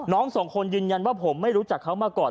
สองคนยืนยันว่าผมไม่รู้จักเขามาก่อน